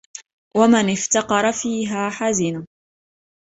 وَمَنْ افْتَقَرَ فِيهَا حَزِنَ